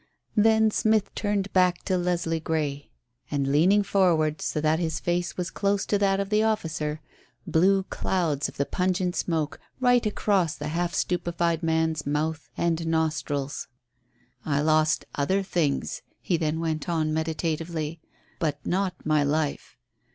Then Smith turned back to Leslie Grey, and leaning forward, so that his face was close to that of the officer, blew clouds of the pungent smoke right across the half stupefied man's mouth and nostrils. "I lost other things," he then went on meditatively, "but not my life.